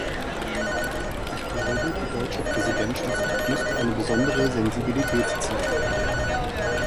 Ich glaube, die deutsche Präsidentschaft müsste eine besondere Sensibilität zeigen.